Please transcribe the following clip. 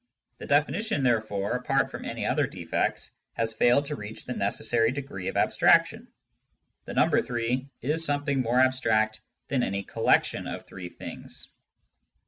The definition, therefore, apart from any other defects, has failed to reach the necessary degree of abstraction : the number 3 is something more abstract than any collection of three things.